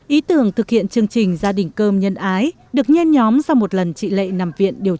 ý tưởng thực hiện chương trình gia đình cơm nhân ái được nhen nhóm sau một lần chị lệ nằm viện điều trị